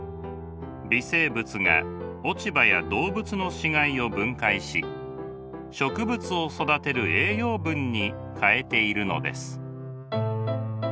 微生物が落葉や動物の死骸を分解し植物を育てる栄養分に変えているのです。